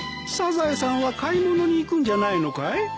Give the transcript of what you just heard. サザエさんは買い物に行くんじゃないのかい？